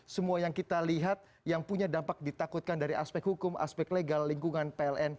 semua yang kita lihat yang punya dampak ditakutkan dari aspek hukum aspek legal lingkungan pln